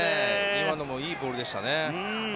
今のもいいボールでしたね。